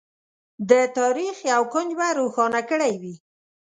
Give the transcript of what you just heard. د تاریخ یو کونج به روښانه کړی وي.